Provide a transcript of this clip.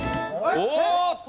おーっと！